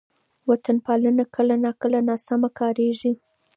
وطن پالنه کله ناکله ناسمه کارېږي.